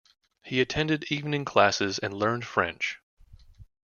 He attended evening classes and learned French.